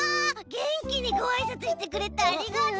げんきにごあいさつしてくれてありがとう！